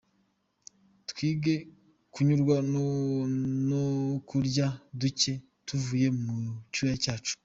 Twige kunyurwa no kurya duke tuvuye mucyuya cyacu.